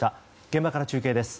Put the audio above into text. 現場から中継です。